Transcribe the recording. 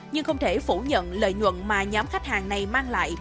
nhưng không thể phủ nhận lợi nhuận mà nhóm khách hàng này mang lại